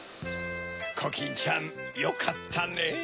コキンちゃんよかったねぇ。